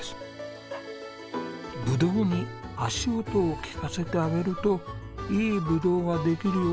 「ぶどうに足音を聞かせてあげるといいぶどうができるよ」。